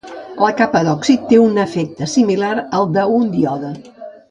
La capa d'òxid té un efecte similar al d'un díode.